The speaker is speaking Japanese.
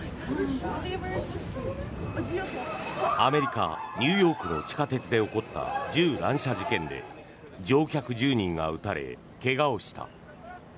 アメリカ・ニューヨークの地下鉄で起こった銃乱射事件で乗客１０人が撃たれ怪我をした。